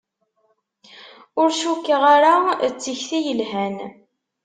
Ur cukkeɣ ara d tikti yelhan.